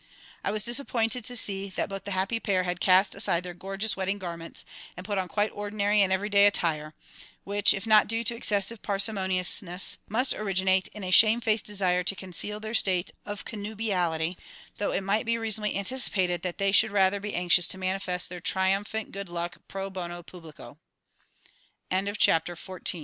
I was disappointed to see that both the happy pair had cast aside their gorgeous wedding garments, and put on quite ordinary and everyday attire, which, if not due to excessive parsimoniousness, must originate in a shamefaced desire to conceal their state of connubiality though it might be reasonably anticipated that they should rather be anxious to manifest their triumphant good luck pro bono publico. XV _Mr Jabberjee is asked out to